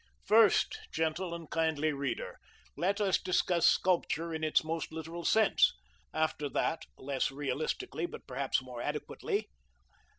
First, gentle and kindly reader, let us discuss sculpture in its most literal sense: after that, less realistically, but perhaps more adequately.